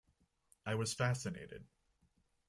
I was fascinated.